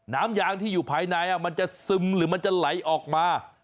น้ำยางที่อยู่ภายในมันจะซึมหรือมันจะไหลออกมา